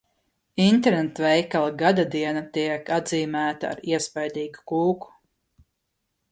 Internetveikala gadadiena tiek atzīmēta ar iespaidīgu kūku.